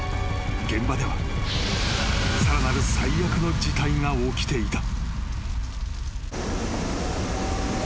現場ではさらなる最悪の事態が起きていた］